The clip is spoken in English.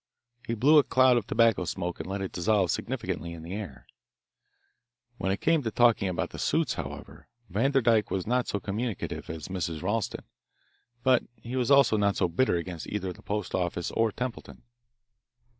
He blew a cloud of tobacco smoke and let it dissolve significantly in the air. When it came to talking about the suits, however, Vanderdyke was not so communicative as Mrs. Ralston, but he was also not so bitter against either the post office or Templeton.